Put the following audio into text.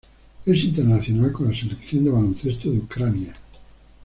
Es internacional con la Selección de baloncesto de Ucrania.